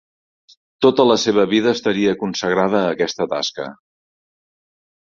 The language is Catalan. Tota la seva vida estaria consagrada a aquesta tasca.